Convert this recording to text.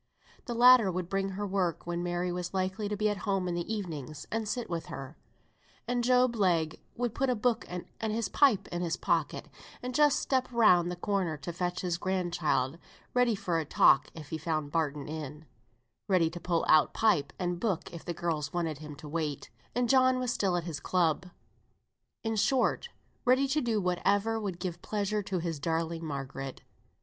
The latter would bring her work when Mary was likely to be at home in the evenings and sit with her; and Job Legh would put a book and his pipe in his pocket and just step round the corner to fetch his grand child, ready for a talk if he found Barton in; ready to pull out pipe and book if the girls wanted him to wait, and John was still at his club. In short, ready to do whatever would give pleasure to his darling Margaret.